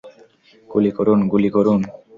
গুলি করুন, গুলি করুন!